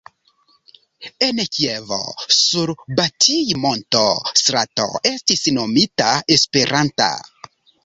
En Kievo, sur Batij-monto strato estis nomita Esperanta.